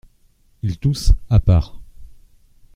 Il tousse, à part.